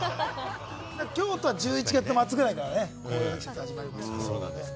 京都は１１月末ぐらいから紅葉が始まるんですよね。